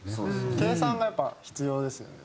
計算がやっぱ必要ですよね。